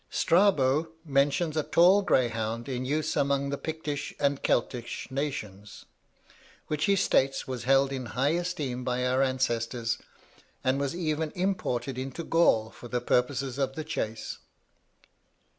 Strabo mentions a tall greyhound in use among the Pictish and Celtic nations, which he states was held in high esteem by our ancestors, and was even imported into Gaul for the purposes of the chase.